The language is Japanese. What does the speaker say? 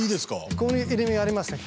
こういう入身ありますね。